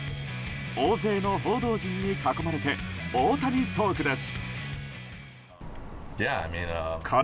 大勢の報道陣に囲まれて大谷トークです。